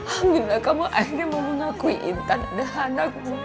aminlah kamu akhirnya mau mengakui intan adalah anakmu